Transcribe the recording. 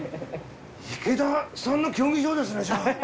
池田さんの競技場ですねじゃあ。